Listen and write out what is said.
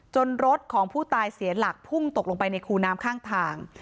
รถของผู้ตายเสียหลักพุ่งตกลงไปในคูน้ำข้างทาง